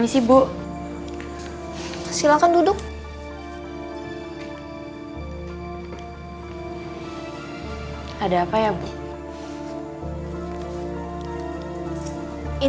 si usus goreng udah tanya gue